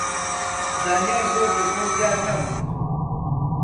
زانیار زۆر دڵخۆش دیار نەبوو.